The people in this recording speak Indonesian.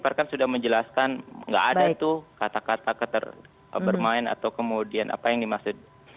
perkan sudah menjelaskan nggak ada tuh kata kata bermain atau kemudian apa yang dimaksud